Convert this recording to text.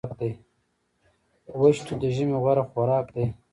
وچ توت د ژمي غوره خوراک دی.